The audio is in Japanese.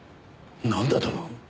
なんだと？